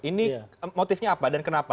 ini motifnya apa dan kenapa